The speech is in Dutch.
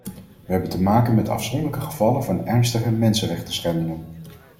We hebben te maken met afzonderlijke gevallen van ernstige mensenrechtenschendingen.